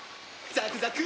ザクザク！